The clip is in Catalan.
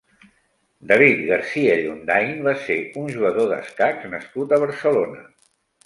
David García Ilundain va ser un jugador d'escacs nascut a Barcelona.